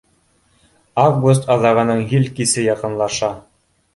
Август аҙағының һил кисе яҡынлаша